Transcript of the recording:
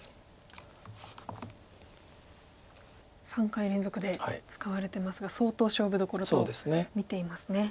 ３回連続で使われてますが相当勝負どころと見ていますね。